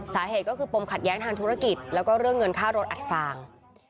สาเหตุก็คือปมขัดแย้งทางธุรกิจแล้วก็เรื่องเงินค่ารถอัดฟาง